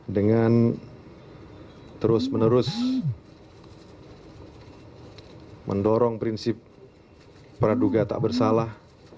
dengan terus menerus mendorong prinsip praduga tak bersalah